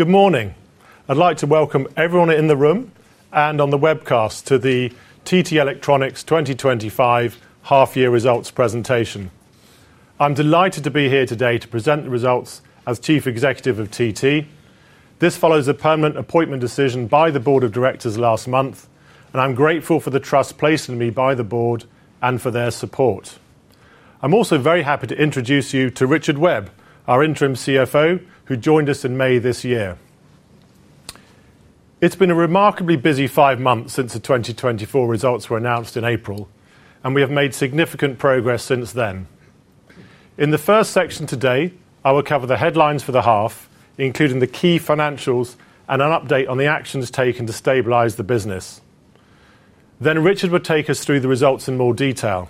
Good morning. I'd like to welcome everyone in the room and on the webcast to the TT Electronics 2025 half-year results presentation. I'm delighted to be here today to present the results as Chief Executive of TT. This follows a permanent appointment decision by the Board of Directors last month, and I'm grateful for the trust placed in me by the Board and for their support. I'm also very happy to introduce you to Richard Webb, our Interim Chief Financial Officer, who joined us in May this year. It's been a remarkably busy five months since the 2024 results were announced in April, and we have made significant progress since then. In the first section today, I will cover the headlines for the half, including the key financials and an update on the actions taken to stabilize the business. Richard will take us through the results in more detail.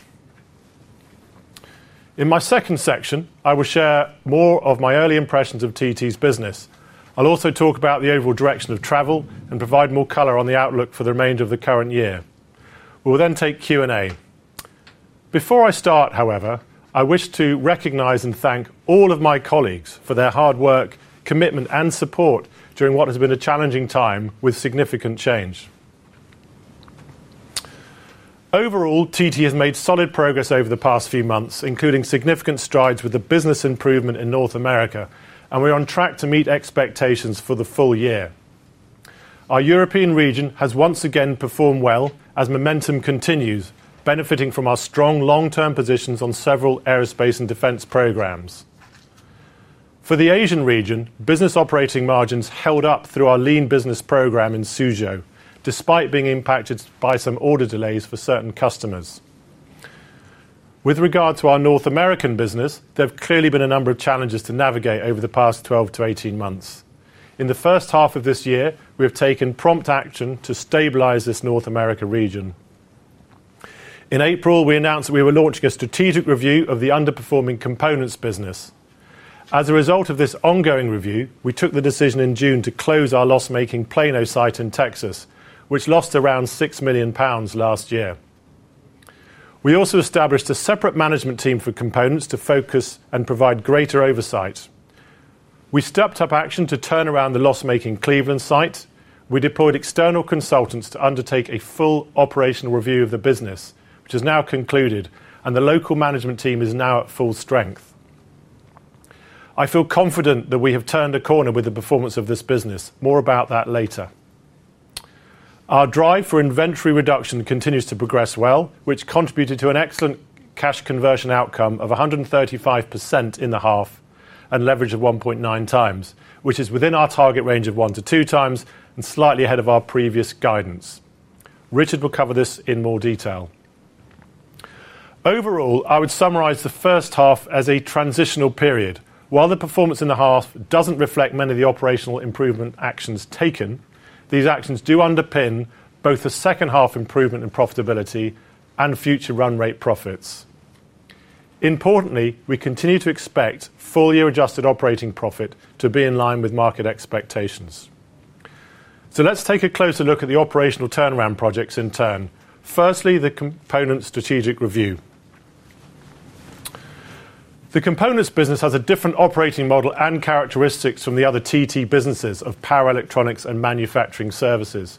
In my second section, I will share more of my early impressions of TT's business. I'll also talk about the overall direction of travel and provide more color on the outlook for the remainder of the current year. We'll then take Q&A. Before I start, however, I wish to recognize and thank all of my colleagues for their hard work, commitment, and support during what has been a challenging time with significant change. Overall, TT has made solid progress over the past few months, including significant strides with the business improvement in North America, and we're on track to meet expectations for the full year. Our European region has once again performed well as momentum continues, benefiting from our strong long-term positions on several aerospace and defense programs. For the Asian region, business operating margins held up through our lean business program in Suzhou, despite being impacted by some order delays for certain customers. With regard to our North American business, there have clearly been a number of challenges to navigate over the past 12 to 18 months. In the first half of this year, we have taken prompt action to stabilize this North America region. In April, we announced that we were launching a strategic review of the underperforming components business. As a result of this ongoing review, we took the decision in June to close our loss-making Plano site in Texas, which lost around £6 million last year. We also established a separate management team for components to focus and provide greater oversight. We stepped up action to turn around the loss-making Cleveland site. We deployed external consultants to undertake a full operational review of the business, which has now concluded, and the local management team is now at full strength. I feel confident that we have turned a corner with the performance of this business. More about that later. Our drive for inventory reduction continues to progress well, which contributed to an excellent cash conversion outcome of 135% in the half and leverage of 1.9 times, which is within our target range of one to two times and slightly ahead of our previous guidance. Richard will cover this in more detail. Overall, I would summarize the first half as a transitional period. While the performance in the half doesn't reflect many of the operational improvement actions taken, these actions do underpin both the second half improvement in profitability and future run rate profits. Importantly, we continue to expect full-year adjusted operating profit to be in line with market expectations. Let's take a closer look at the operational turnaround projects in turn. Firstly, the components strategic review. The components business has a different operating model and characteristics from the other TT Electronics businesses of power electronics and electronic manufacturing services.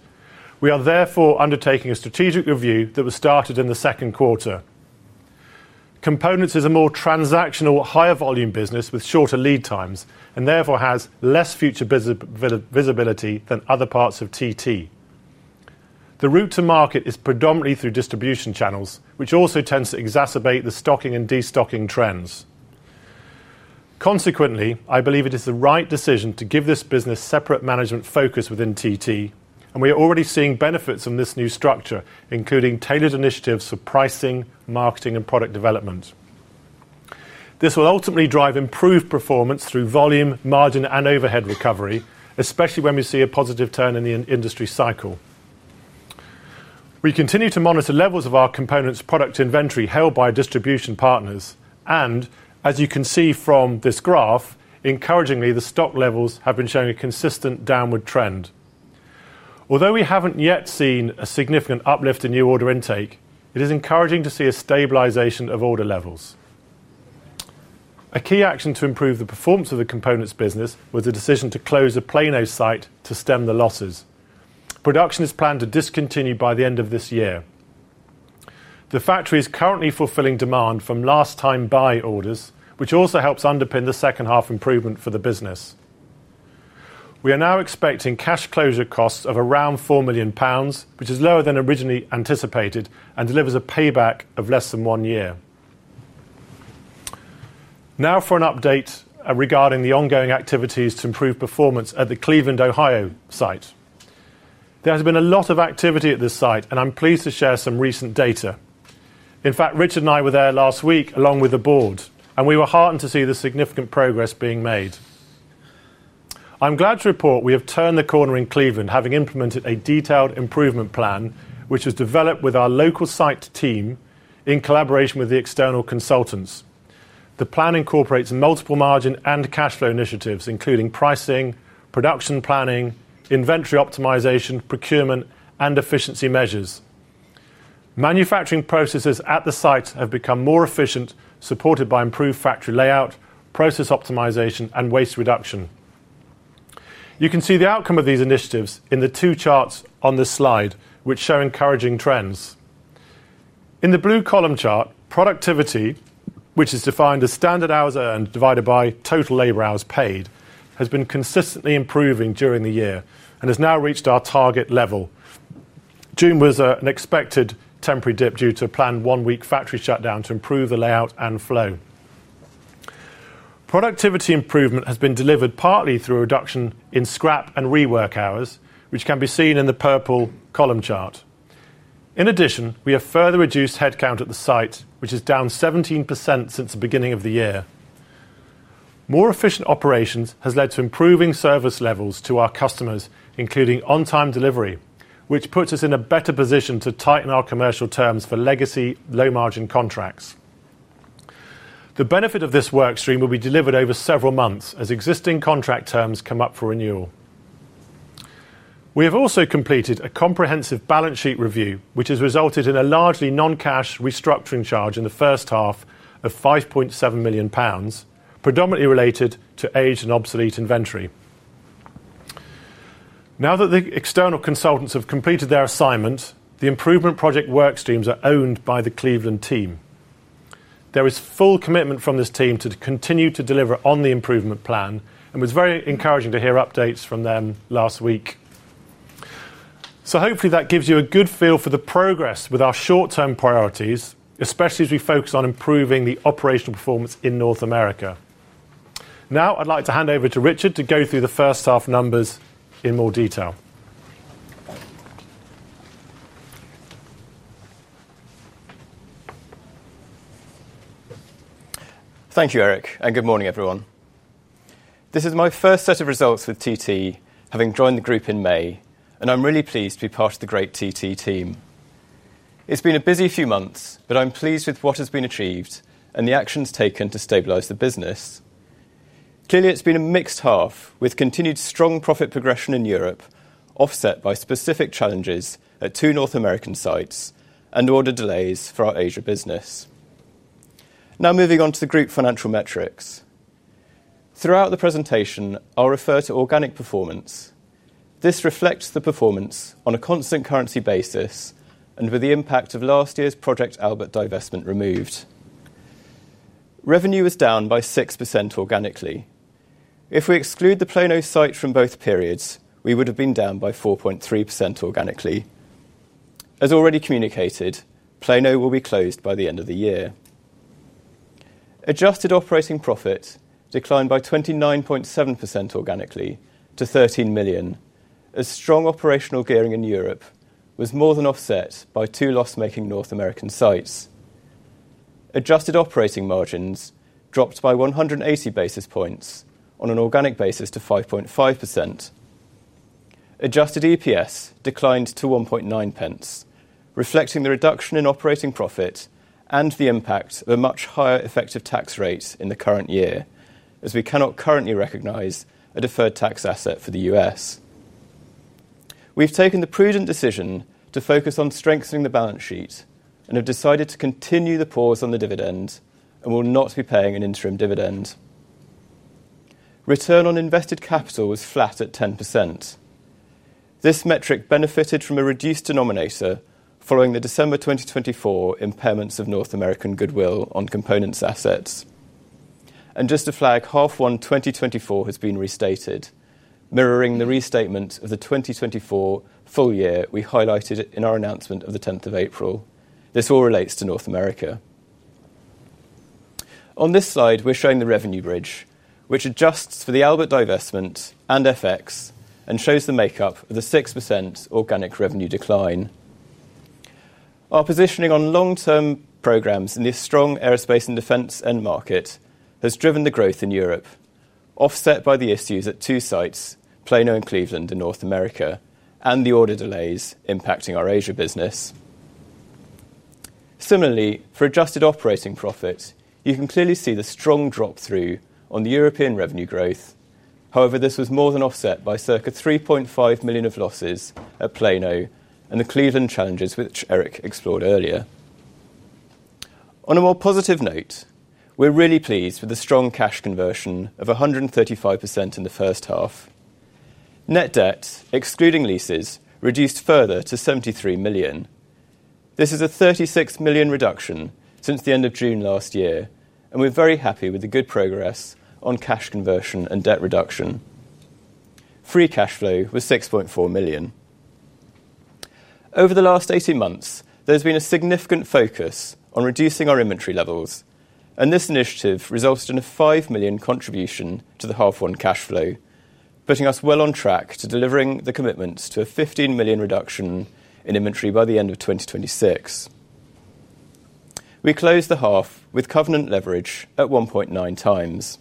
We are therefore undertaking a strategic review that was started in the second quarter. Components is a more transactional, higher volume business with shorter lead times and therefore has less future visibility than other parts of TT Electronics. The route to market is predominantly through distribution channels, which also tends to exacerbate the stocking and destocking trends. Consequently, I believe it is the right decision to give this business separate management focus within TT Electronics, and we are already seeing benefits from this new structure, including tailored initiatives for pricing, marketing, and product development. This will ultimately drive improved performance through volume, margin, and overhead recovery, especially when we see a positive turn in the industry cycle. We continue to monitor levels of our components' product inventory held by distribution partners, and as you can see from this graph, encouragingly, the stock levels have been showing a consistent downward trend. Although we haven't yet seen a significant uplift in new order intake, it is encouraging to see a stabilization of order levels. A key action to improve the performance of the components business was the decision to close the Plano site to stem the losses. Production is planned to discontinue by the end of this year. The factory is currently fulfilling demand from last-time buy orders, which also helps underpin the second half improvement for the business. We are now expecting cash closure costs of around £4 million, which is lower than originally anticipated and delivers a payback of less than one year. Now for an update regarding the ongoing activities to improve performance at the Cleveland, Ohio site. There has been a lot of activity at this site, and I'm pleased to share some recent data. In fact, Richard and I were there last week along with the Board, and we were heartened to see the significant progress being made. I'm glad to report we have turned the corner in Cleveland, having implemented a detailed improvement plan, which was developed with our local site team in collaboration with the external consultants. The plan incorporates multiple margin and cash flow initiatives, including pricing, production planning, inventory optimization, procurement, and efficiency measures. Manufacturing processes at the site have become more efficient, supported by improved factory layout, process optimization, and waste reduction. You can see the outcome of these initiatives in the two charts on this slide, which show encouraging trends. In the blue column chart, productivity, which is defined as standard hours earned divided by total labor hours paid, has been consistently improving during the year and has now reached our target level. June was an expected temporary dip due to a planned one-week factory shutdown to improve the layout and flow. Productivity improvement has been delivered partly through a reduction in scrap and rework hours, which can be seen in the purple column chart. In addition, we have further reduced headcount at the site, which is down 17% since the beginning of the year. More efficient operations have led to improving service levels to our customers, including on-time delivery, which puts us in a better position to tighten our commercial terms for legacy low-margin contracts. The benefit of this workstream will be delivered over several months as existing contract terms come up for renewal. We have also completed a comprehensive balance sheet review, which has resulted in a largely non-cash restructuring charge in the first half of £5.7 million, predominantly related to aged and obsolete inventory. Now that the external consultants have completed their assignment, the improvement project workstreams are owned by the Cleveland team. There is full commitment from this team to continue to deliver on the improvement plan, and it was very encouraging to hear updates from them last week. Hopefully, that gives you a good feel for the progress with our short-term priorities, especially as we focus on improving the operational performance in North America. Now, I'd like to hand over to Richard to go through the first half numbers in more detail. Thank you, Eric, and good morning, everyone. This is my first set of results with TT Electronics, having joined the group in May, and I'm really pleased to be part of the great TT team. It's been a busy few months, but I'm pleased with what has been achieved and the actions taken to stabilize the business. Clearly, it's been a mixed half with continued strong profit progression in Europe, offset by specific challenges at two North American sites and order delays for our Asia business. Now, moving on to the group financial metrics. Throughout the presentation, I'll refer to organic performance. This reflects the performance on a constant currency basis and with the impact of last year's Project Albert divestment removed. Revenue was down by 6% organically. If we exclude the Plano site from both periods, we would have been down by 4.3% organically. As already communicated, Plano will be closed by the end of the year. Adjusted operating profit declined by 29.7% organically to £13 million, as strong operational gearing in Europe was more than offset by two loss-making North American sites. Adjusted operating margins dropped by 180 basis points on an organic basis to 5.5%. Adjusted EPS declined to £0.019, reflecting the reduction in operating profit and the impact of a much higher effective tax rate in the current year, as we cannot currently recognize a deferred tax asset for the U.S. We've taken the prudent decision to focus on strengthening the balance sheet and have decided to continue the pause on the dividends and will not be paying an interim dividend. Return on invested capital was flat at 10%. This metric benefited from a reduced denominator following the December 2024 impairments of North American goodwill on components assets. Just to flag, half one 2024 has been restated, mirroring the restatement of the 2024 full year we highlighted in our announcement of the 10th of April. This all relates to North America. On this slide, we're showing the revenue bridge, which adjusts for the Albert divestment and FX and shows the makeup of the 6% organic revenue decline. Our positioning on long-term programs in the strong aerospace and defense end market has driven the growth in Europe, offset by the issues at two sites, Plano and Cleveland in North America, and the order delays impacting our Asia business. Similarly, for adjusted operating profit, you can clearly see the strong drop through on the European revenue growth. However, this was more than offset by circa $3.5 million of losses at Plano and the Cleveland challenges which Eric Lakin explored earlier. On a more positive note, we're really pleased with the strong cash conversion of 135% in the first half. Net debt, excluding leases, reduced further to $73 million. This is a $36 million reduction since the end of June last year, and we're very happy with the good progress on cash conversion and debt reduction. Free cash flow was $6.4 million. Over the last 18 months, there's been a significant focus on reducing our inventory levels, and this initiative resulted in a $5 million contribution to the half one cash flow, putting us well on track to delivering the commitments to a $15 million reduction in inventory by the end of 2026. We closed the half with covenant leverage at 1.9 times.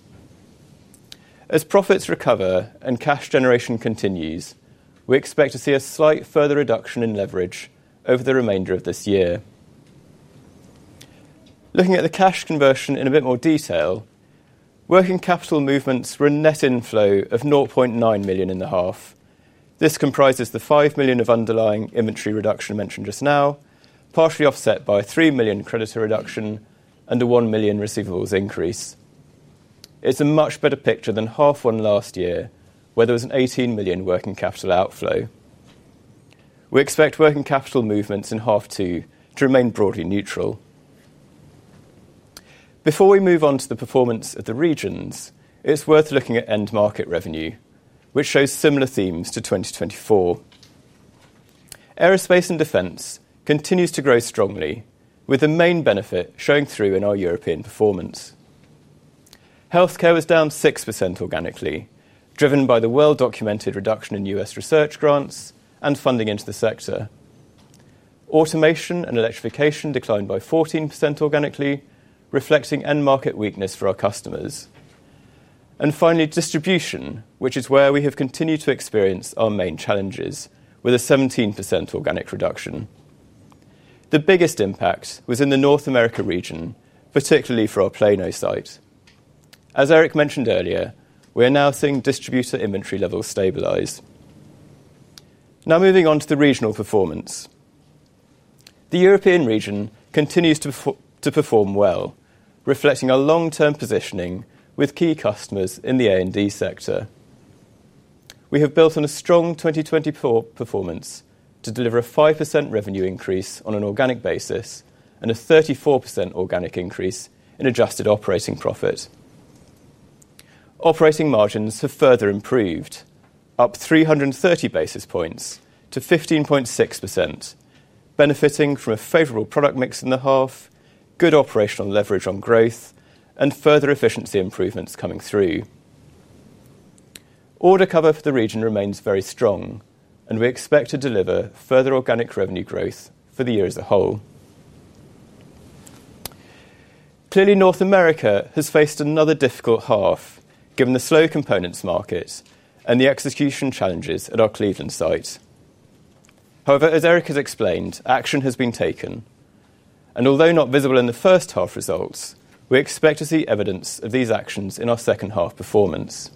As profits recover and cash generation continues, we expect to see a slight further reduction in leverage over the remainder of this year. Looking at the cash conversion in a bit more detail, working capital movements were a net inflow of $0.9 million in the half. This comprises the $5 million of underlying inventory reduction mentioned just now, partially offset by a $3 million creditor reduction and a $1 million receivables increase. It's a much better picture than half one last year, where there was an $18 million working capital outflow. We expect working capital movements in half two to remain broadly neutral. Before we move on to the performance of the regions, it's worth looking at end market revenue, which shows similar themes to 2024. Aerospace and defense continues to grow strongly, with the main benefit showing through in our European performance. Healthcare was down 6% organically, driven by the well-documented reduction in U.S. research grants and funding into the sector. Automation and electrification declined by 14% organically, reflecting end market weakness for our customers. Finally, distribution, which is where we have continued to experience our main challenges, with a 17% organic reduction. The biggest impact was in the North America region, particularly for our Plano site. As Eric mentioned earlier, we are now seeing distributor inventory levels stabilize. Now, moving on to the regional performance. The European region continues to perform well, reflecting our long-term positioning with key customers in the A&D sector. We have built on a strong 2024 performance to deliver a 5% revenue increase on an organic basis and a 34% organic increase in adjusted operating profit. Operating margins have further improved, up 330 basis points to 15.6%, benefiting from a favorable product mix in the half, good operational leverage on growth, and further efficiency improvements coming through. Order cover for the region remains very strong, and we expect to deliver further organic revenue growth for the year as a whole. Clearly, North America has faced another difficult half, given the slow components market and the execution challenges at our Cleveland site. However, as Eric has explained, action has been taken, and although not visible in the first half results, we expect to see evidence of these actions in our second half performance.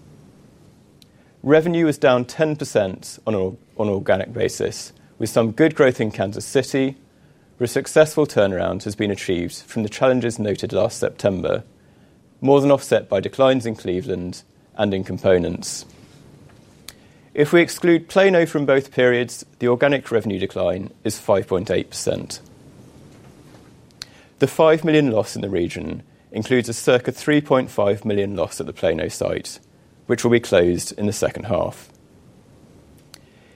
Revenue is down 10% on an organic basis, with some good growth in Kansas City, where successful turnaround has been achieved from the challenges noted last September, more than offset by declines in Cleveland and in components. If we exclude Plano from both periods, the organic revenue decline is 5.8%. The $5 million loss in the region includes a circa $3.5 million loss at the Plano site, which will be closed in the second half.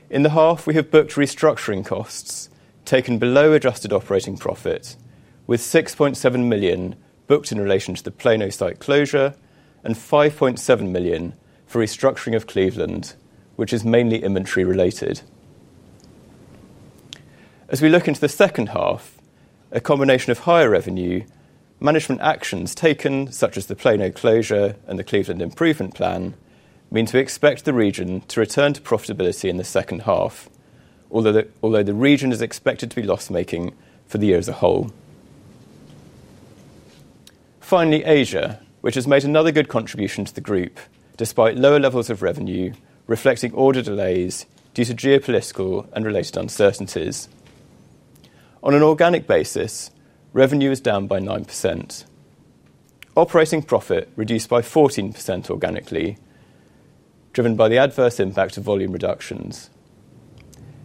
In the half, we have booked restructuring costs taken below adjusted operating profit, with $6.7 million booked in relation to the Plano site closure and $5.7 million for restructuring of Cleveland, which is mainly inventory related. As we look into the second half, a combination of higher revenue, management actions taken, such as the Plano closure and the Cleveland improvement plan, mean we expect the region to return to profitability in the second half, although the region is expected to be loss-making for the year as a whole. Finally, Asia, which has made another good contribution to the group, despite lower levels of revenue, reflecting order delays due to geopolitical and related uncertainties. On an organic basis, revenue is down by 9%. Operating profit reduced by 14% organically, driven by the adverse impact of volume reductions.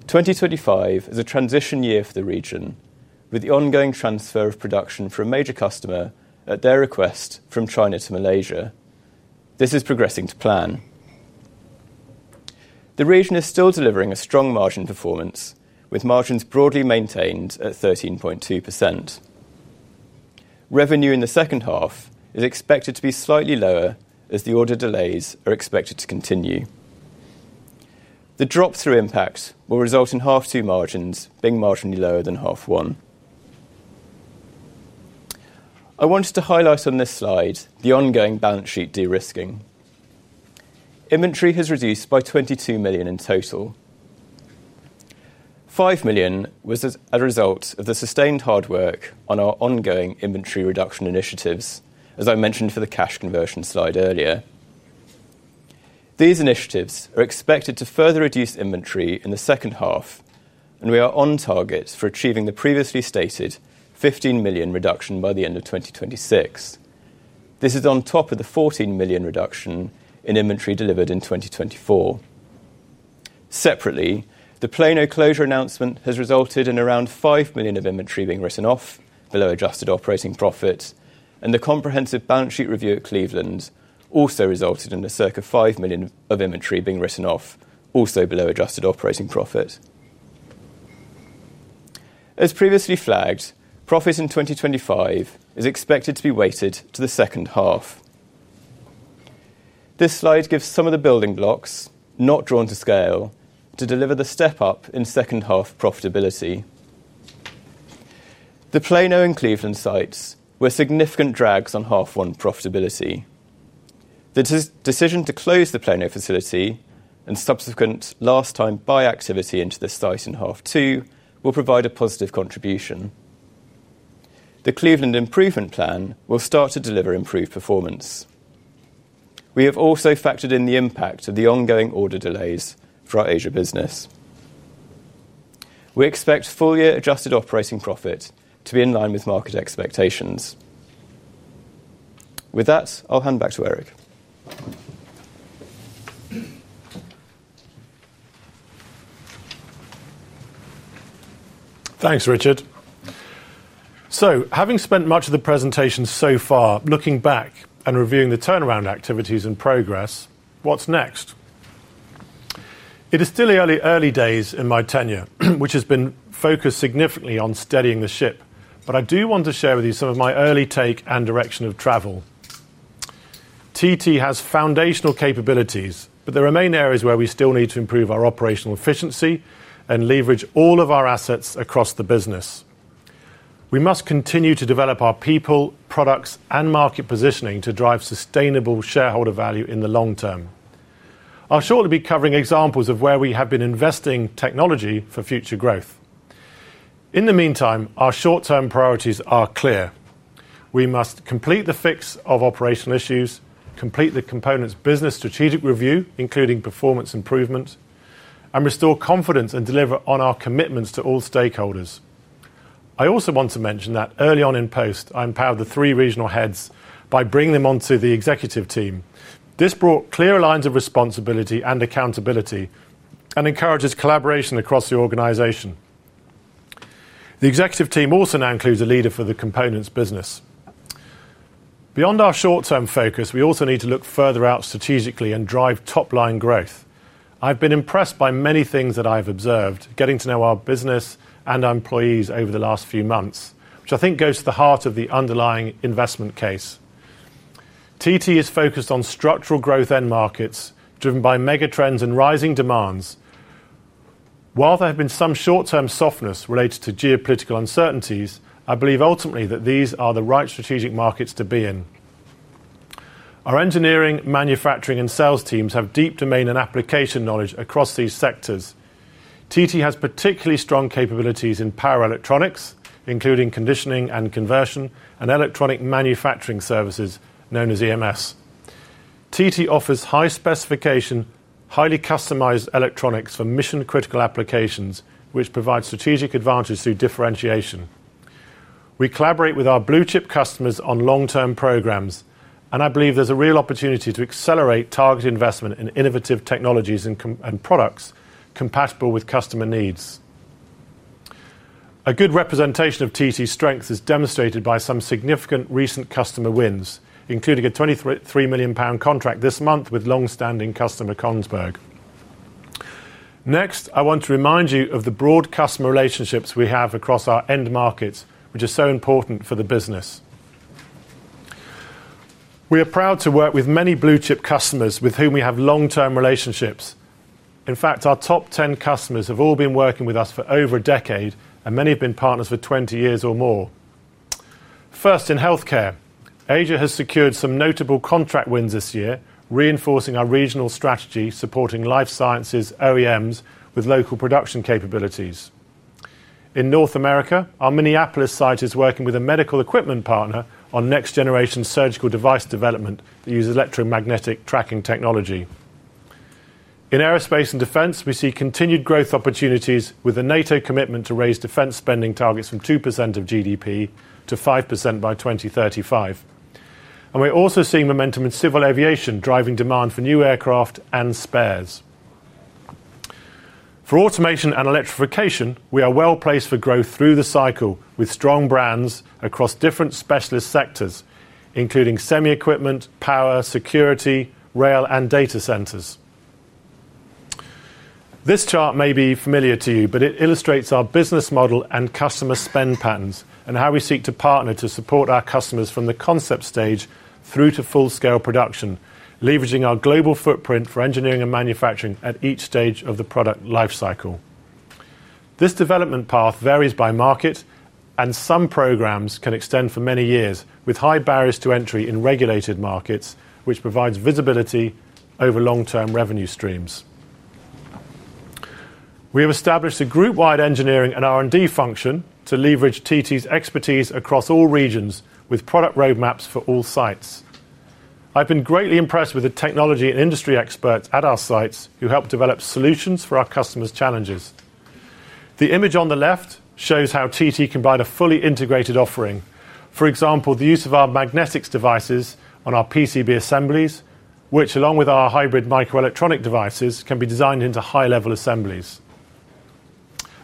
2025 is a transition year for the region, with the ongoing transfer of production for a major customer at their request from China to Malaysia. This is progressing to plan. The region is still delivering a strong margin performance, with margins broadly maintained at 13.2%. Revenue in the second half is expected to be slightly lower as the order delays are expected to continue. The drop-through impact will result in half two margins being marginally lower than half one. I wanted to highlight on this slide the ongoing balance sheet de-risking. Inventory has reduced by $22 million in total. $5 million was a result of the sustained hard work on our ongoing inventory reduction initiatives, as I mentioned for the cash conversion slide earlier. These initiatives are expected to further reduce inventory in the second half, and we are on target for achieving the previously stated $15 million reduction by the end of 2026. This is on top of the $14 million reduction in inventory delivered in 2024. Separately, the Plano closure announcement has resulted in around $5 million of inventory being written off below adjusted operating profit, and the comprehensive balance sheet review at Cleveland also resulted in a circa $5 million of inventory being written off, also below adjusted operating profit. As previously flagged, profits in 2025 are expected to be weighted to the second half. This slide gives some of the building blocks, not drawn to scale, to deliver the step up in second half profitability. The Plano and Cleveland sites were significant drags on half one profitability. The decision to close the Plano facility and subsequent last-time buy activity into the site in half two will provide a positive contribution. The Cleveland improvement plan will start to deliver improved performance. We have also factored in the impact of the ongoing order delays for our Asia business. We expect full-year adjusted operating profit to be in line with market expectations. With that, I'll hand back to Eric. Thanks, Richard. Having spent much of the presentation so far looking back and reviewing the turnaround activities and progress, what's next? It is still the early days in my tenure, which has been focused significantly on steadying the ship, but I do want to share with you some of my early take and direction of travel. TT Electronics has foundational capabilities, but there are main areas where we still need to improve our operational efficiency and leverage all of our assets across the business. We must continue to develop our people, products, and market positioning to drive sustainable shareholder value in the long term. I'll shortly be covering examples of where we have been investing in technology for future growth. In the meantime, our short-term priorities are clear. We must complete the fix of operational issues, complete the components business strategic review, including performance improvement, and restore confidence and deliver on our commitments to all stakeholders. I also want to mention that early on in post, I empowered the three regional heads by bringing them onto the Executive Team. This brought clear lines of responsibility and accountability and encourages collaboration across the organization. The Executive Team also now includes a leader for the components business. Beyond our short-term focus, we also need to look further out strategically and drive top-line growth. I've been impressed by many things that I've observed getting to know our business and our employees over the last few months, which I think goes to the heart of the underlying investment case. TT Electronics is focused on structural growth markets driven by mega trends and rising demands. While there has been some short-term softness related to geopolitical uncertainties, I believe ultimately that these are the right strategic markets to be in. Our engineering, manufacturing, and sales teams have deep domain and application knowledge across these sectors. TT Electronics has particularly strong capabilities in power electronics, including conditioning and conversion, and electronic manufacturing services known as EMS. TT Electronics offers high specification, highly customized electronics for mission-critical applications, which provide strategic advantages through differentiation. We collaborate with our blue-chip customers on long-term programs, and I believe there's a real opportunity to accelerate target investment in innovative technologies and products compatible with customer needs. A good representation of TT Electronics' strengths is demonstrated by some significant recent customer wins, including a £23 million contract this month with longstanding customer Kongsberg. Next, I want to remind you of the broad customer relationships we have across our end markets, which are so important for the business. We are proud to work with many blue-chip customers with whom we have long-term relationships. In fact, our top 10 customers have all been working with us for over a decade, and many have been partners for 20 years or more. First, in healthcare, Asia has secured some notable contract wins this year, reinforcing our regional strategy, supporting life sciences OEMs with local production capabilities. In North America, our Minneapolis site is working with a medical equipment partner on next-generation surgical device development that uses electromagnetic tracking technology. In aerospace and defense, we see continued growth opportunities with the NATO commitment to raise defense spending targets from 2% of GDP to 5% by 2035. We're also seeing momentum in civil aviation, driving demand for new aircraft and spares. For automation and electrification, we are well placed for growth through the cycle, with strong brands across different specialist sectors, including semi-equipment, power, security, rail, and data centers. This chart may be familiar to you, but it illustrates our business model and customer spend patterns and how we seek to partner to support our customers from the concept stage through to full-scale production, leveraging our global footprint for engineering and manufacturing at each stage of the product lifecycle. This development path varies by market, and some programs can extend for many years, with high barriers to entry in regulated markets, which provides visibility over long-term revenue streams. We have established a group-wide engineering and R&D function to leverage TT Electronics' expertise across all regions, with product roadmaps for all sites. I've been greatly impressed with the technology and industry experts at our sites who help develop solutions for our customers' challenges. The image on the left shows how TT Electronics can provide a fully integrated offering. For example, the use of our magnetics devices on our PCB assemblies, which, along with our hybrid microelectronic devices, can be designed into high-level assemblies.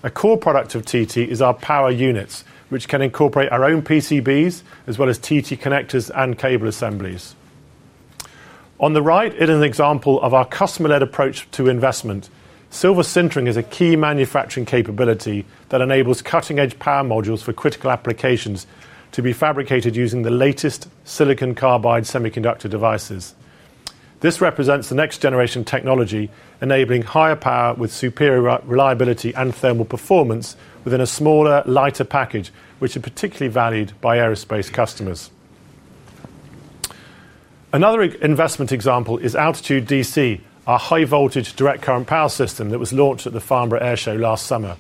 A core product of TT Electronics is our power units, which can incorporate our own PCBs as well as TT connectors and cable assemblies. On the right, it is an example of our customer-led approach to investment. Silver sintering is a key manufacturing capability that enables cutting-edge power modules for critical applications to be fabricated using the latest silicon carbide semiconductor devices. This represents the next-generation technology, enabling higher power with superior reliability and thermal performance within a smaller, lighter package, which is particularly valued by aerospace customers. Another investment example is Altitude DC, our high-voltage direct current power system that was launched at the Farnborough Air Show last summer.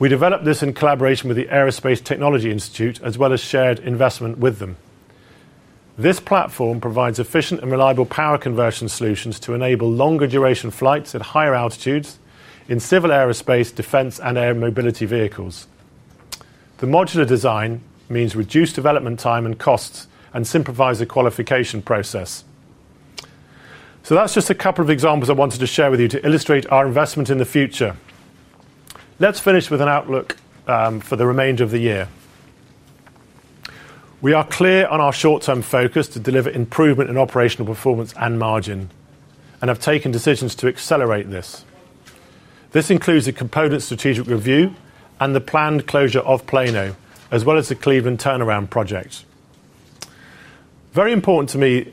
We developed this in collaboration with the Aerospace Technology Institute, as well as shared investment with them. This platform provides efficient and reliable power conversion solutions to enable longer duration flights at higher altitudes in civil aerospace, defense, and air mobility vehicles. The modular design means reduced development time and costs and simplifies the qualification process. That is just a couple of examples I wanted to share with you to illustrate our investment in the future. Let's finish with an outlook for the remainder of the year. We are clear on our short-term focus to deliver improvement in operational performance and margin and have taken decisions to accelerate this. This includes a component strategic review and the planned closure of Plano, as well as the Cleveland turnaround project. Very important to me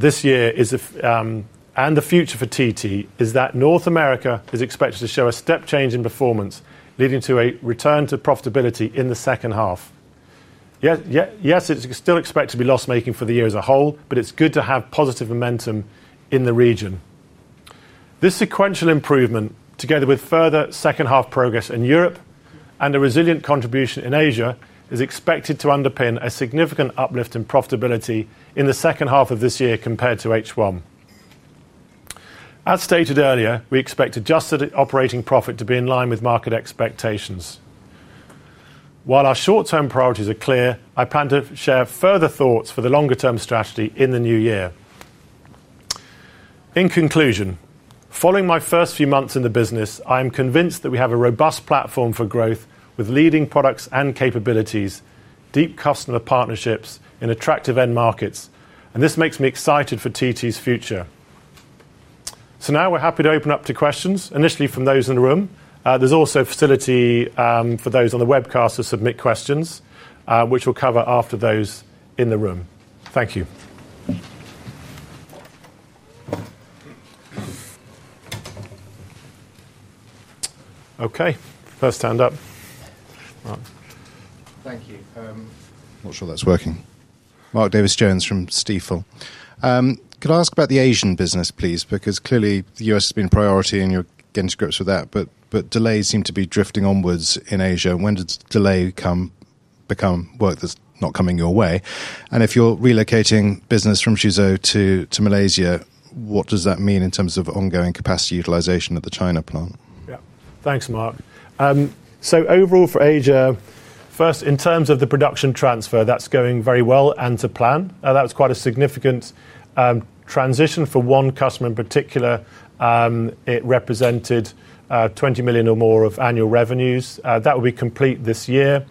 this year is the future for TT is that North America is expected to show a step change in performance, leading to a return to profitability in the second half. Yes, it's still expected to be loss-making for the year as a whole, but it's good to have positive momentum in the region. This sequential improvement, together with further second-half progress in Europe and a resilient contribution in Asia, is expected to underpin a significant uplift in profitability in the second half of this year compared to H1. As stated earlier, we expect adjusted operating profit to be in line with market expectations. While our short-term priorities are clear, I plan to share further thoughts for the longer-term strategy in the new year. In conclusion, following my first few months in the business, I am convinced that we have a robust platform for growth with leading products and capabilities, deep customer partnerships in attractive end markets, and this makes me excited for TT's future. Now we're happy to open up to questions, initially from those in the room. There is also facility for those on the webcast to submit questions, which we'll cover after those in the room. Thank you. Okay, first hand up. Thank you. I'm not sure that's working. Mark Davis Jones from Stifel. Could I ask about the Asian business, please? Clearly the U.S. has been a priority and you're getting scripts for that, but delays seem to be drifting onwards in Asia. When does delay become work that's not coming your way? If you're relocating business from Suzhou to Malaysia, what does that mean in terms of ongoing capacity utilization at the China plant? Yeah, thanks Mark. Overall for Asia, first in terms of the production transfer, that's going very well and to plan. That was quite a significant transition for one customer in particular. It represented $20 million or more of annual revenues. That will be complete this year.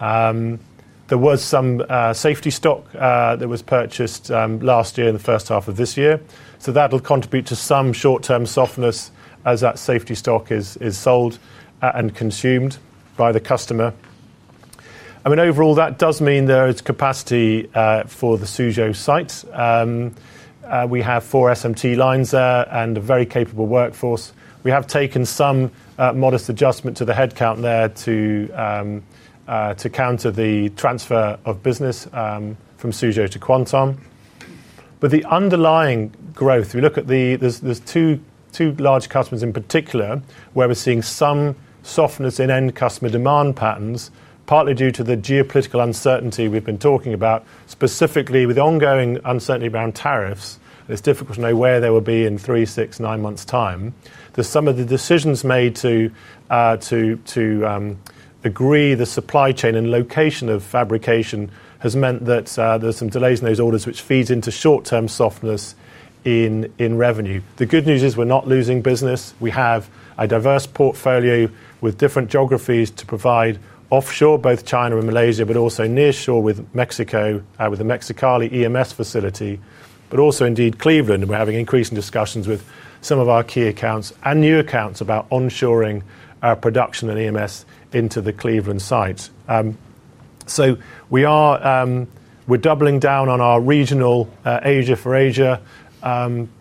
There was some safety stock that was purchased last year and in the first half of this year. That'll contribute to some short-term softness as that safety stock is sold and consumed by the customer. Overall, that does mean there is capacity for the Suzhou site. We have four SMT lines there and a very capable workforce. We have taken some modest adjustment to the headcount there to counter the transfer of business from Suzhou to Quanton. The underlying growth, if you look at it, there's two large customers in particular where we're seeing some softness in end customer demand patterns, partly due to the geopolitical uncertainty we've been talking about, specifically with ongoing uncertainty around tariffs. It's difficult to know where they will be in three, six, nine months' time. Some of the decisions made to agree the supply chain and location of fabrication has meant that there's some delays in those orders, which feeds into short-term softness in revenue. The good news is we're not losing business. We have a diverse portfolio with different geographies to provide offshore, both China and Malaysia, but also nearshore with Mexico, with the Mexicali EMS facility, and indeed Cleveland. We're having increasing discussions with some of our key accounts and new accounts about onshoring production and EMS into the Cleveland site. We are doubling down on our regional Asia for Asia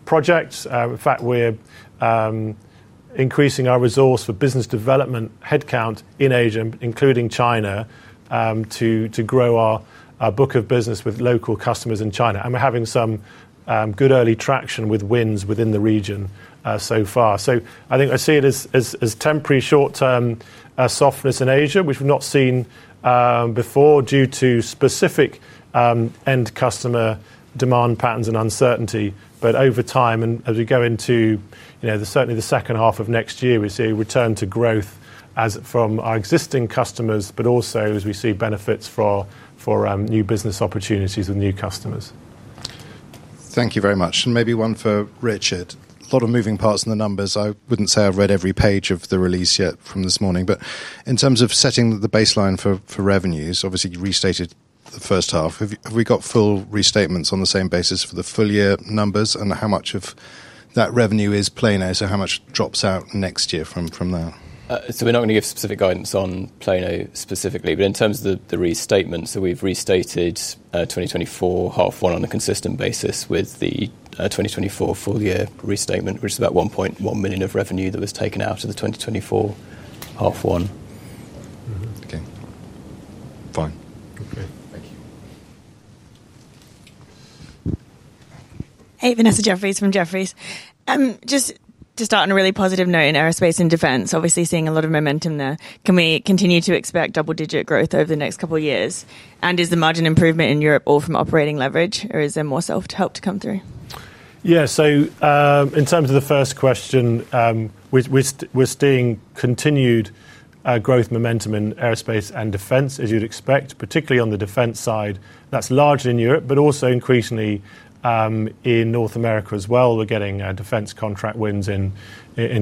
projects. In fact, we're increasing our resource for business development headcount in Asia, including China, to grow our book of business with local customers in China. We're having some good early traction with wins within the region so far. I see it as temporary short-term softness in Asia, which we've not seen before due to specific end customer demand patterns and uncertainty. Over time, and as we go into certainly the second half of next year, we see a return to growth from our existing customers, and also as we see benefits for new business opportunities with new customers. Thank you very much. Maybe one for Richard. A lot of moving parts in the numbers. I wouldn't say I've read every page of the release yet from this morning, but in terms of setting the baseline for revenues, obviously you restated the first half. Have we got full restatements on the same basis for the full year numbers, and how much of that revenue is Plano? How much drops out next year from there? We're not going to give specific guidance on Plano specifically, but in terms of the restatement, we've restated 2024 half one on a consistent basis with the 2024 full year restatement, which is about $1.1 million of revenue that was taken out of the 2024 half one. Okay, fine. Okay, thank you. Hey, Vanessa Jeffries from Jefferies. Just to start on a really positive note in aerospace and defense, obviously seeing a lot of momentum there. Can we continue to expect double-digit growth over the next couple of years? Is the margin improvement in Europe all from operating leverage or is there more self-help to come through? Yeah, so in terms of the first question, we're seeing continued growth momentum in aerospace and defense, as you'd expect, particularly on the defense side. That's largely in Europe, but also increasingly in North America as well. We're getting defense contract wins in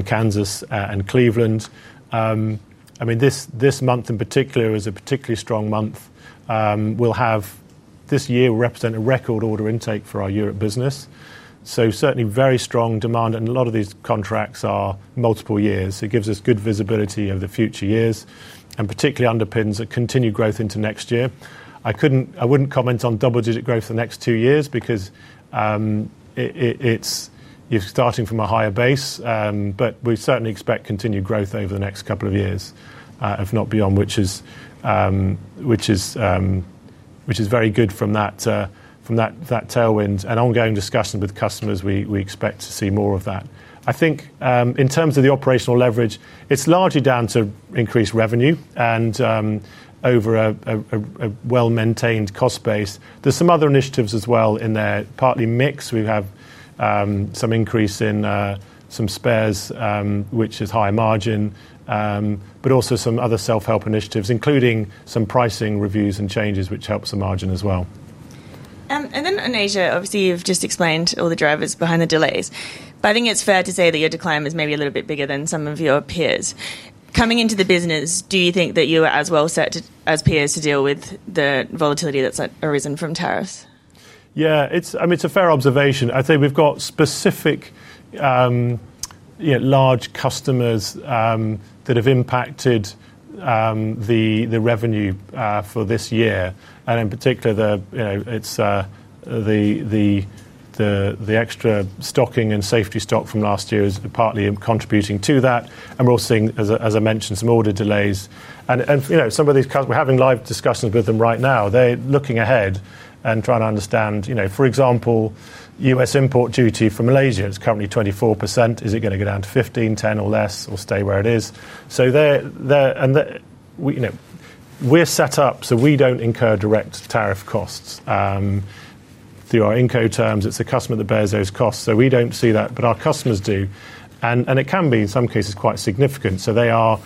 Kansas and Cleveland. This month in particular is a particularly strong month. We'll have this year represent a record order intake for our Europe business. Certainly very strong demand and a lot of these contracts are multiple years. It gives us good visibility over the future years and particularly underpins a continued growth into next year. I wouldn't comment on double-digit growth for the next two years because you're starting from a higher base, but we certainly expect continued growth over the next couple of years, if not beyond, which is very good from that tailwind and ongoing discussion with customers. We expect to see more of that. I think in terms of the operational leverage, it's largely down to increased revenue and over a well-maintained cost base. There's some other initiatives as well in there, partly mixed. We have some increase in some spares, which is high margin, but also some other self-help initiatives, including some pricing reviews and changes, which helps the margin as well. In Asia, obviously you've just explained all the drivers behind the delays. I think it's fair to say that your decline is maybe a little bit bigger than some of your peers. Coming into the business, do you think that you are as well set as peers to deal with the volatility that's arisen from tariffs? Yeah, I mean, it's a fair observation. I'd say we've got specific large customers that have impacted the revenue for this year. In particular, the extra stocking and safety stock from last year is partly contributing to that. We're also seeing, as I mentioned, some order delays. Some of these customers, we're having live discussions with them right now. They're looking ahead and trying to understand, for example, U.S. import duty for Malaysia, it's currently 24%. Is it going to go down to 15%, 10% or less, or stay where it is? We're set up so we don't incur direct tariff costs through our inco terms. It's the customer that bears those costs. We don't see that, but our customers do, and it can be, in some cases, quite significant. They are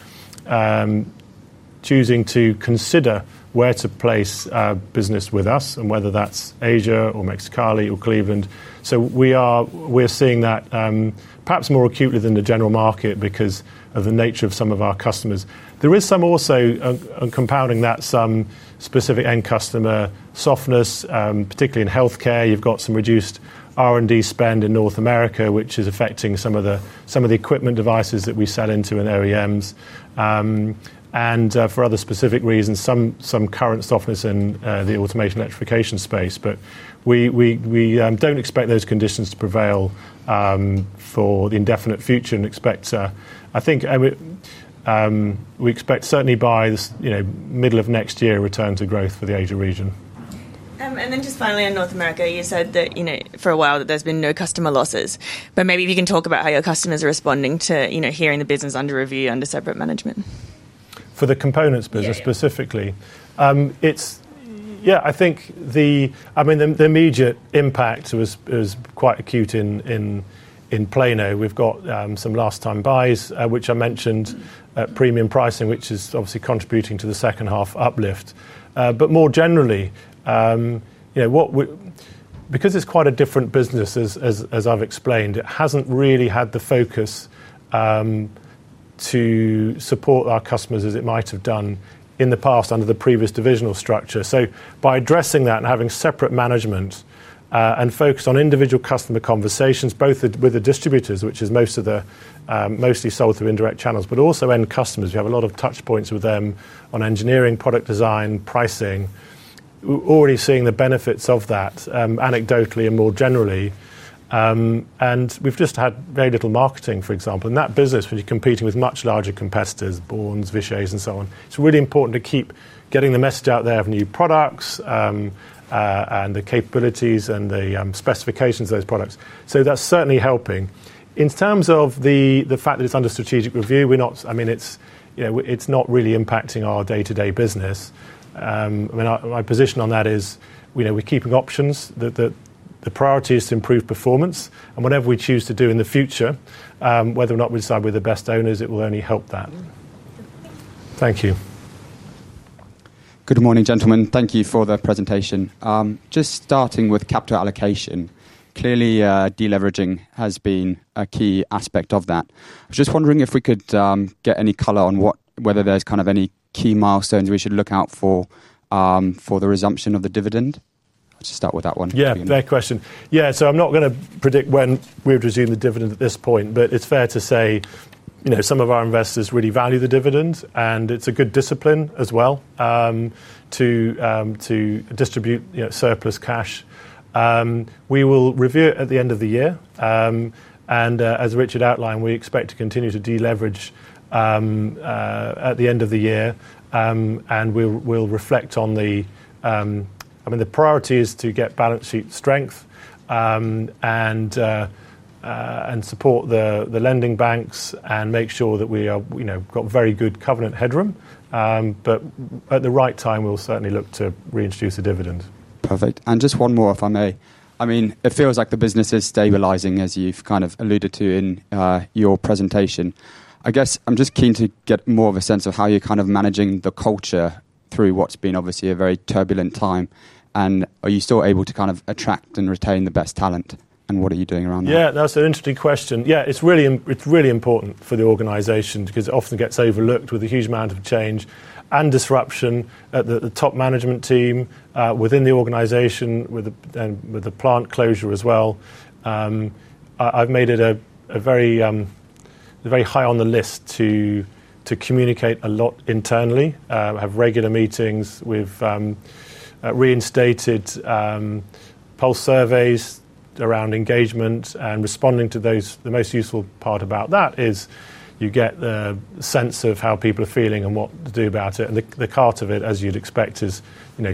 choosing to consider where to place business with us and whether that's Asia or Mexicali or Cleveland. We're seeing that perhaps more acutely than the general market because of the nature of some of our customers. There is also compounding from some specific end customer softness, particularly in healthcare. You've got some reduced R&D spend in North America, which is affecting some of the equipment devices that we sell into in OEMs. For other specific reasons, there is some current softness in the automation electrification space. We don't expect those conditions to prevail for the indefinite future and expect, I think, certainly by the middle of next year, a return to growth for the Asia region. Finally, in North America, you said that for a while there's been no customer losses, but maybe we can talk about how your customers are responding to hearing the business under review under separate management. For the components business specifically, yeah, I think the immediate impact was quite acute in Plano. We've got some last-time buys, which I mentioned, premium pricing, which is obviously contributing to the second half uplift. More generally, because it's quite a different business, as I've explained, it hasn't really had the focus to support our customers as it might have done in the past under the previous divisional structure. By addressing that and having separate management and focus on individual customer conversations, both with the distributors, which is mostly sold through indirect channels, but also end customers, we have a lot of touch points with them on engineering, product design, pricing. We're already seeing the benefits of that anecdotally and more generally. We've just had very little marketing, for example. That business, when you're competing with much larger competitors, Bourns, Vishay, and so on, it's really important to keep getting the message out there of new products and the capabilities and the specifications of those products. That's certainly helping. In terms of the fact that it's under strategic review, it's not really impacting our day-to-day business. My position on that is we're keeping options. The priority is to improve performance. Whatever we choose to do in the future, whether or not we decide we're the best owners, it will only help that. Thank you. Good morning, gentlemen. Thank you for the presentation. Just starting with capital allocation, clearly deleveraging has been a key aspect of that. I was just wondering if we could get any color on whether there's kind of any key milestones we should look out for for the resumption of the dividend. Let's just start with that one. Yeah, fair question. I'm not going to predict when we've resumed the dividend at this point, but it's fair to say some of our investors really value the dividend, and it's a good discipline as well to distribute surplus cash. We will review it at the end of the year. As Richard outlined, we expect to continue to deleverage at the end of the year, and we'll reflect on the priorities to get balance sheet strength and support the lending banks and make sure that we've got very good covenant headroom. At the right time, we'll certainly look to reintroduce the dividend. Perfect. Just one more, if I may. It feels like the business is stabilizing, as you've kind of alluded to in your presentation. I guess I'm just keen to get more of a sense of how you're kind of managing the culture through what's been obviously a very turbulent time. Are you still able to kind of attract and retain the best talent? What are you doing around that? Yeah, that's an interesting question. It's really important for the organization because it often gets overlooked with a huge amount of change and disruption at the top management team within the organization and with the plant closure as well. I've made it very high on the list to communicate a lot internally. I have regular meetings. We've reinstated pulse surveys around engagement and responding to those. The most useful part about that is you get the sense of how people are feeling and what to do about it. The heart of it, as you'd expect, is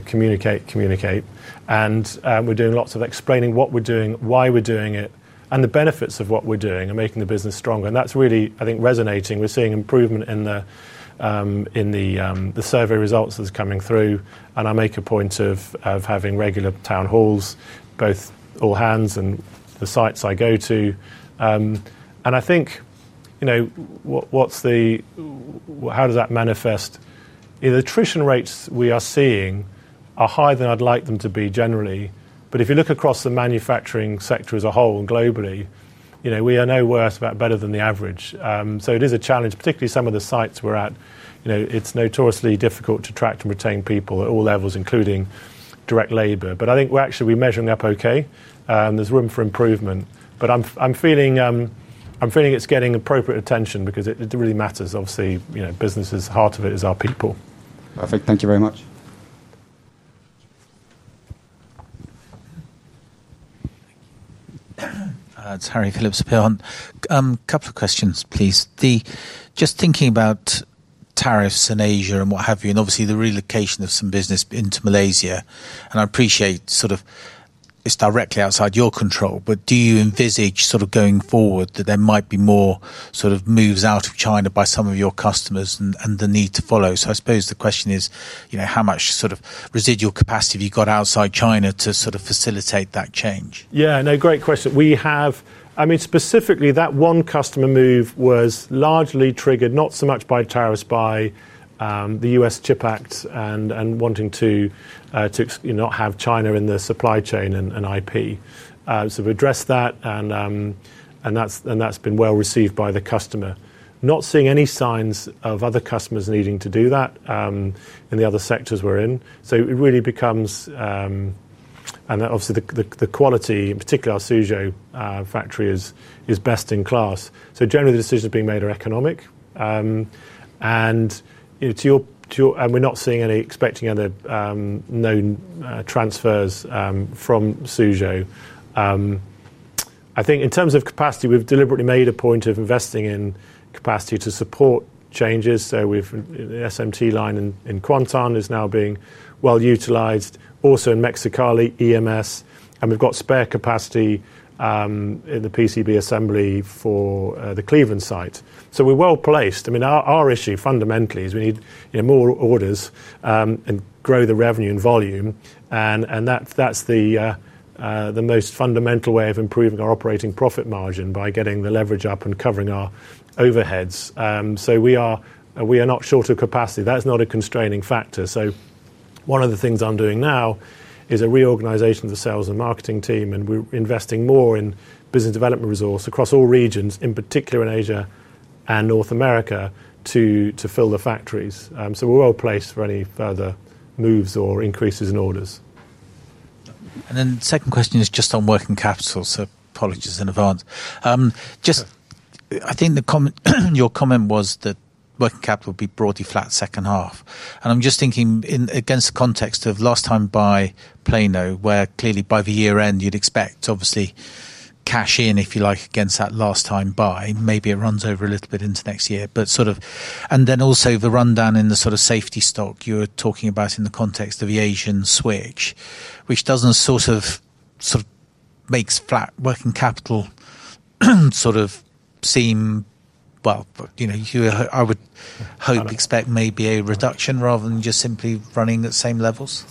communicate, communicate. We're doing lots of explaining what we're doing, why we're doing it, and the benefits of what we're doing and making the business stronger. That's really, I think, resonating. We're seeing improvement in the survey results that are coming through. I make a point of having regular town halls, both all hands and the sites I go to. I think, you know, how does that manifest? The attrition rates we are seeing are higher than I'd like them to be generally. If you look across the manufacturing sector as a whole and globally, we are no worse but better than the average. It is a challenge, particularly some of the sites we're at. It's notoriously difficult to track and retain people at all levels, including direct labor. I think we're actually measuring up okay. There's room for improvement. I'm feeling it's getting appropriate attention because it really matters. Obviously, you know, business's heart of it is our people. Perfect. Thank you very much. It's Harry Phillips of Heron. A couple of questions, please. Just thinking about tariffs in Asia and what have you, and obviously the relocation of some business into Malaysia. I appreciate it's directly outside your control, but do you envisage going forward that there might be more moves out of China by some of your customers and the need to follow? I suppose the question is, you know, how much residual capacity have you got outside China to facilitate that change? Yeah, no, great question. We have, I mean, specifically that one customer move was largely triggered not so much by tariffs, by the U.S. CHIP Act and wanting to not have China in the supply chain and IP. We addressed that, and that's been well received by the customer. Not seeing any signs of other customers needing to do that in the other sectors we're in. It really becomes, and obviously the quality, in particular our Suzhou factory, is best in class. Generally, the decisions being made are economic. We're not seeing any expecting other known transfers from Suzhou. I think in terms of capacity, we've deliberately made a point of investing in capacity to support changes. The SMT line in Quanton is now being well utilized. Also in Mexicali, EMS. We've got spare capacity in the PCB assembly for the Cleveland site. We're well placed. Our issue fundamentally is we need more orders and grow the revenue and volume. That's the most fundamental way of improving our operating profit margin by getting the leverage up and covering our overheads. We are not short of capacity. That's not a constraining factor. One of the things I'm doing now is a reorganization of the sales and marketing team, and we're investing more in business development resource across all regions, in particular in Asia and North America, to fill the factories. We're well placed for any further moves or increases in orders. The second question is just on working capital. Apologies in advance. I think your comment was that working capital would be broadly flat second half. I'm just thinking against the context of last time by Plano, where clearly by the year end you'd expect obviously cash in, if you like, against that last time by. Maybe it runs over a little bit into next year, but also the rundown in the safety stock you're talking about in the context of the Asian switch, which doesn't make flat working capital seem, you know, I would hope expect maybe a reduction rather than just simply running at the same levels.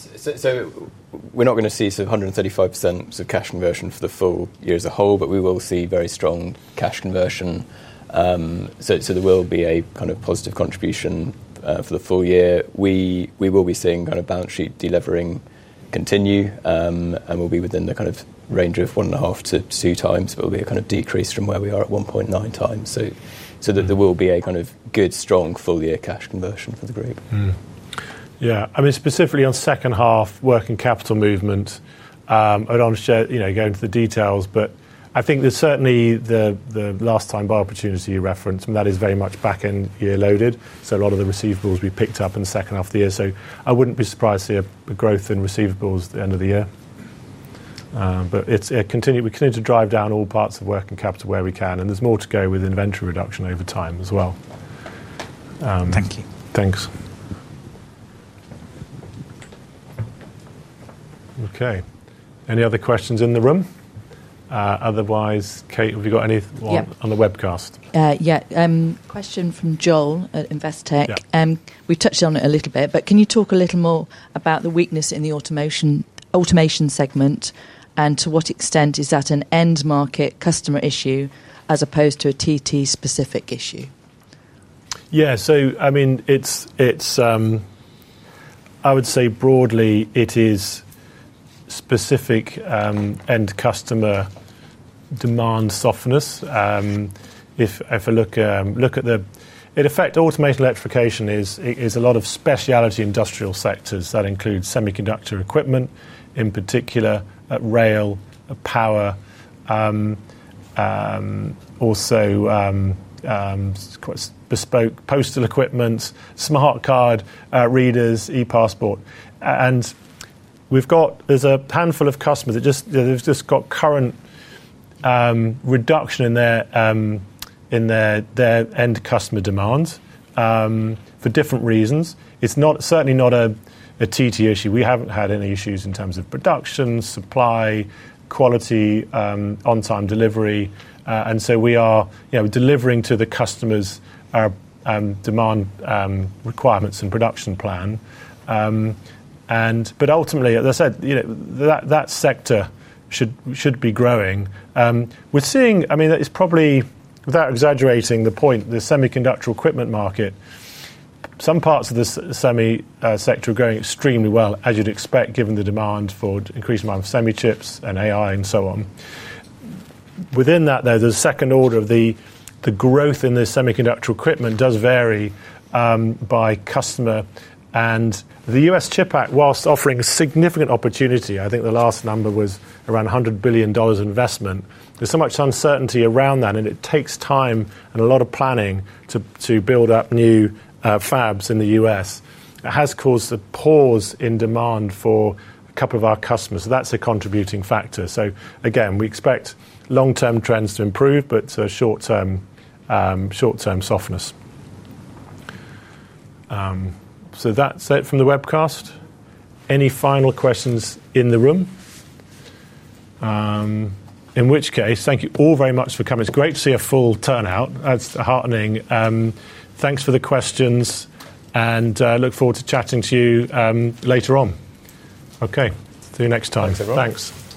We're not going to see a 135% cash conversion for the full year as a whole, but we will see very strong cash conversion. There will be a kind of positive contribution for the full year. We will be seeing kind of balance sheet deleveraging continue, and we'll be within the kind of range of 1.5 to 2 times. It'll be a kind of decrease from where we are at 1.9 times. There will be a kind of good strong full year cash conversion for the group. Yeah, I mean, specifically on second half working capital movement, I don't want to share, you know, go into the details, but I think there's certainly the last time buy opportunity you referenced, and that is very much back end year loaded. A lot of the receivables will be picked up in the second half of the year. I wouldn't be surprised to see a growth in receivables at the end of the year. We continue to drive down all parts of working capital where we can, and there's more to go with inventory reduction over time as well. Thank you. Thanks. Okay, any other questions in the room? Otherwise, Kate, have you got anything on the webcast? Yeah, question from Joel at Invest Tech. We touched on it a little bit, but can you talk a little more about the weakness in the automation segment and to what extent is that an end market customer issue as opposed to a TT Electronics specific issue? Yeah, I would say broadly it is specific end customer demand softness. If I look at the effect, automation, electrification, it is a lot of specialty industrial sectors that include semiconductor equipment in particular, rail, power, also bespoke postal equipment, smart card readers, e-passport. We've got a handful of customers that just have current reduction in their end customer demands for different reasons. It's certainly not a TT Electronics issue. We haven't had any issues in terms of production, supply, quality, on-time delivery. We are delivering to the customers our demand requirements and production plan. Ultimately, as I said, that sector should be growing. We're seeing, it's probably without exaggerating the point, the semiconductor equipment market. Some parts of the semi-sector are going extremely well, as you'd expect, given the demand for increased amount of semi-chips and AI and so on. Within that, though, the second order of the growth in the semiconductor equipment does vary by customer. The U.S. CHIP Act, whilst offering a significant opportunity, I think the last number was around $100 billion investment. There's so much uncertainty around that, and it takes time and a lot of planning to build up new fabs in the U.S. It has caused a pause in demand for a couple of our customers. That's a contributing factor. We expect long-term trends to improve, but short-term softness. That's it from the webcast. Any final questions in the room? In which case, thank you all very much for coming. It's great to see a full turnout. That's heartening. Thanks for the questions, and I look forward to chatting to you later on. Okay, see you next time. Thanks.